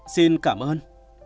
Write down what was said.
xin cảm ơn